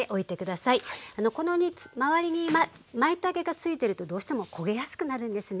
周りにまいたけがついてるとどうしても焦げやすくなるんですね。